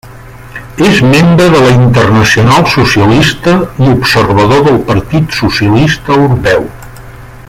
És membre de la Internacional Socialista i observador del Partit Socialista Europeu.